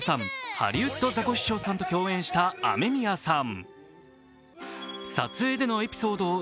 ハリウッドザコシショウさんと共演したＡＭＥＭＩＹＡさん。